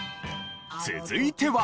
続いては。